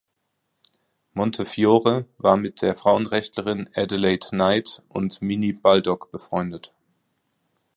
Montefiore war mit der Frauenrechtlerin Adelaide Knight und Minnie Baldock befreundet.